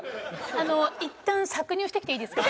あのいったん搾乳してきていいですか？